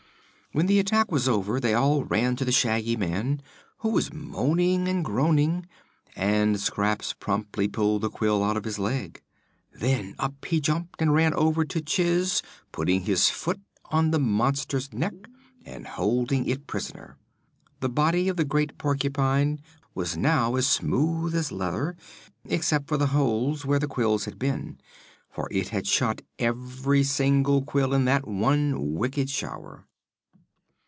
When the attack was over they all ran to the Shaggy Man, who was moaning and groaning, and Scraps promptly pulled the quill out of his leg. Then up he jumped and ran over to Chiss, putting his foot on the monster's neck and holding it a prisoner. The body of the great porcupine was now as smooth as leather, except for the holes where the quills had been, for it had shot every single quill in that one wicked shower.